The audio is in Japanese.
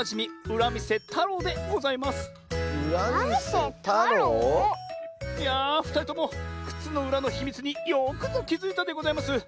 うらみせたろう？いやふたりともくつのうらのひみつによくぞきづいたでございます。